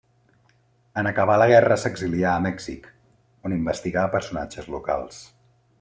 En acabar la guerra s'exilià a Mèxic, on investigà personatges locals.